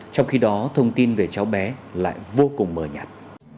trong khi đó thông tin về cháu bé lại vô cùng mờ nhạt